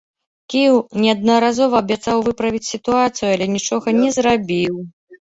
Кіеў неаднаразова абяцаў выправіць сітуацыю, але нічога не зрабіў.